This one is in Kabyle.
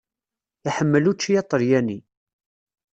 Iḥemmel učči aṭalyani.